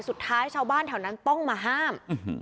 สุดท้ายชาวบ้านแถวนั้นต้องมาห้าม